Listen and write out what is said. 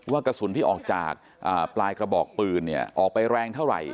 กระสุนที่ออกจากปลายกระบอกปืนออกไปแรงเท่าไหร่